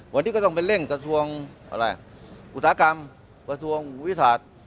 วันนี้ก็ต้องไปเร่งกระทรวงอะไรอุตสาหกรรมกระทรวงวิทยาศาสตร์